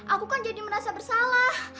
aku kan jadi merasa bersalah